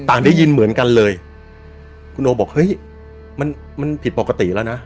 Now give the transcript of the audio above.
ได้ยินเหมือนกันเลยคุณโอบอกเฮ้ยมันมันผิดปกติแล้วนะ